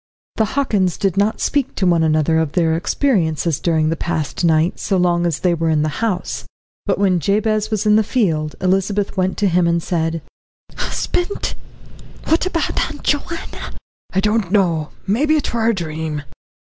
The Hockins did not speak to one another of their experiences during the past night, so long as they were in the house, but when Jabez was in the field, Elizabeth went to him and said: "Husband, what about Aunt Joanna?" "I don't know maybe it were a dream."